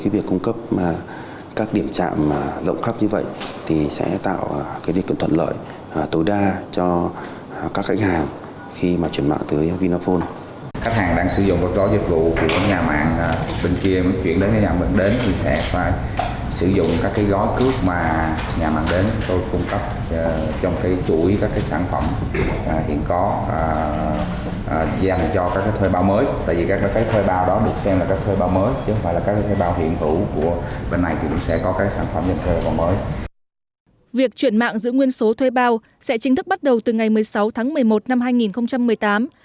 việc chuyển mạng giữ nguyên số thuê bao sẽ chính thức bắt đầu từ ngày một mươi sáu tháng một mươi một năm hai nghìn một mươi tám